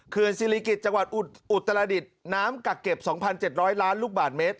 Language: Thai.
ศิริกิจจังหวัดอุตรดิษฐ์น้ำกักเก็บ๒๗๐๐ล้านลูกบาทเมตร